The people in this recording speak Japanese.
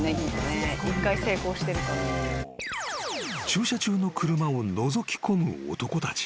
［駐車中の車をのぞきこむ男たち］